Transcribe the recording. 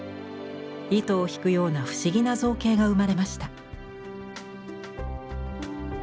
糸を引くような不思議な造形が生まれました。